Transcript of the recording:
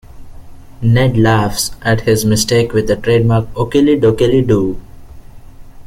Ned laughs at his mistake with a trademark okely dokely do!